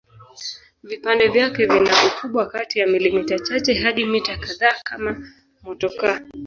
Vipande vyake vina ukubwa kati ya milimita chache hadi mita kadhaa kama motokaa.